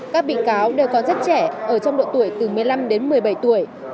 các bị cáo đều có rất trẻ ở trong độ tuổi từ một mươi năm đến một mươi bảy tuổi